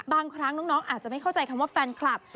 บางครั้งน้องอาจจะไม่เข้าใจคำว่าแฟนคลับ